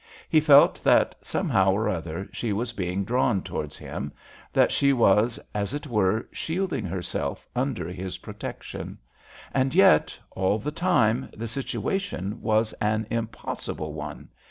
He felt that, somehow or other, she was being drawn towards him, that she was, as it were, shielding herself under his protection. And yet, all the time, the situation was an impossible one.